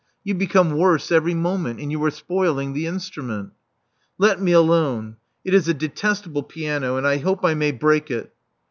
You become worse every moment: and you are spoiling the instrument." "Let me alone. It is a detestable piano: and I hope I may break it."